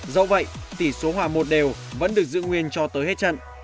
dẫu vậy tỷ số hòa một đều vẫn được giữ nguyên cho tới hết trận